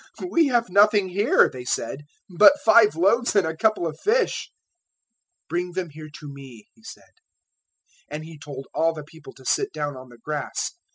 014:017 "We have nothing here," they said, "but five loaves and a couple of fish." 014:018 "Bring them here to me," He said, 014:019 and He told all the people to sit down on the grass.